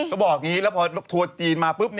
ก็บอกอย่างนี้แล้วพอทัวร์จีนมาปุ๊บ